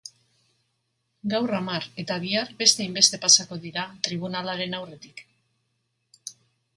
Gaur hamar eta bihar beste hainbeste pasako dira tribunalaren aurretik.